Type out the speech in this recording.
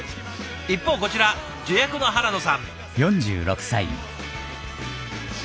一方こちら助役の原野さん。